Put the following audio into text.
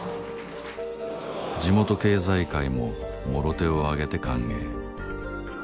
地元経済界ももろ手を挙げて歓迎